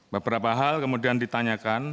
beberapa hal kemudian ditanyakan